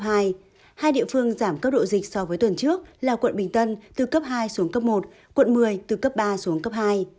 hai địa phương giảm cấp độ dịch so với tuần trước là quận bình tân từ cấp hai xuống cấp một quận một mươi từ cấp ba xuống cấp hai